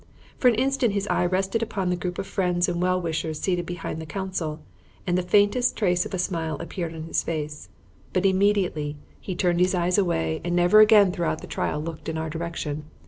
For an instant his eye rested upon the group of friends and well wishers seated behind the counsel, and the faintest trace of a smile appeared on his face; but immediately he turned his eyes away and never again throughout the trial looked in our direction.